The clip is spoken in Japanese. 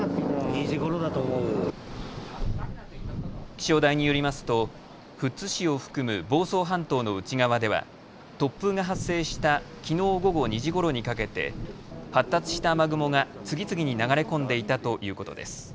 気象台によりますと富津市を含む房総半島の内側では突風が発生したきのう午後２時ごろにかけて発達した雨雲が次々に流れ込んでいたということです。